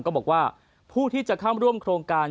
ก็บอกว่าผู้ที่จะเข้าร่วมโครงการ